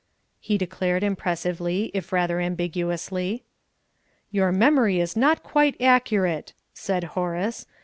he declared impressively, if rather ambiguously. "Your memory is not quite accurate," said Horace.